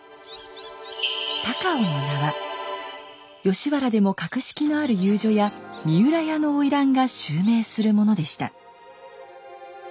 高尾の名は吉原でも格式のある遊女屋三浦屋の花魁が襲名するものでした。